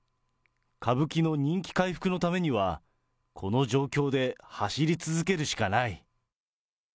歌舞伎の人気回復のためには、この状況で走り続けるしかない。